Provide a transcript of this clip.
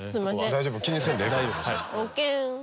大丈夫気にせんでええ。